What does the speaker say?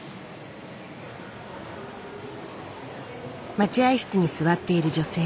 待合室に座っている女性。